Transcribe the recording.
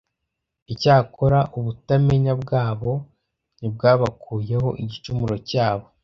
icyakora ubutamenya bwabo ntibwabakuyeho igicumuro cyabo;